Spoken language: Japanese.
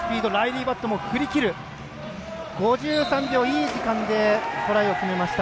５３秒いい時間でトライを決めました。